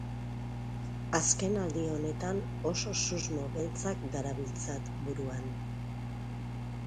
Azken aldi honetan oso susmo beltzak darabiltzat buruan.